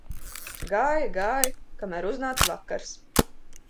Gāja, gāja, kamēr uznāca vakars.